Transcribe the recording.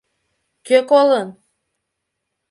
— Кӧ колын?